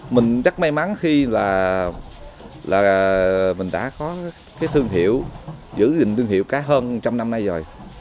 mình rất may mắn khi là mình đã có cái thương hiệu giữ gìn thương hiệu cả hơn một trăm linh năm nay rồi